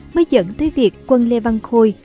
mới dẫn tới việc quân lê văn khôi